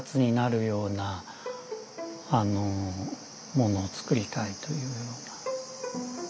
何かを作りたいというような。